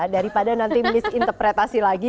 daripada nanti misinterpretasi lagi